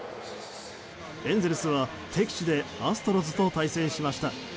エンゼルスは敵地でアストロズと対戦しました。